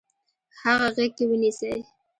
هغه غیږ کې ونیسئ.